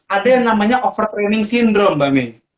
ada yang namanya overtraining syndrome mbak may